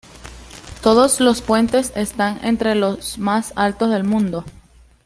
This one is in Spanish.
Todos los puentes están entre los más altos del mundo.